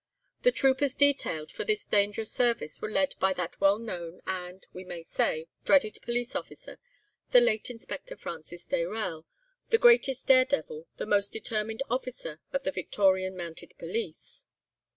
The troopers detailed for this dangerous service were led by that well known, and, we may say, dreaded police officer, the late Inspector Francis Dayrell, the greatest daredevil, the most determined officer of the Victorian Mounted Police.